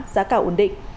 giá cả ổn định